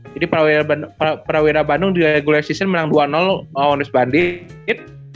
jadi prawira bandung di regular season menang dua lawan west bandit